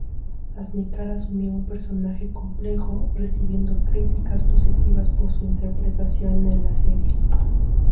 Asnicar asumió un personaje complejo, recibiendo críticas positivas por su interpretación en la serie.